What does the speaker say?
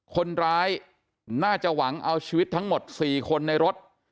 คนร้ายน่าจะหวังเอาชีวิตทั้งหมด๔คนในรถ